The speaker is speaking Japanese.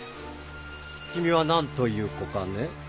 君は何という子かね？